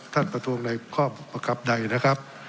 ประท้วงในข้อประกับใดนะครับ